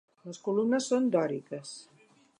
Les columnes són dòriques.